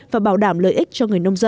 và bảo đảm lợi ích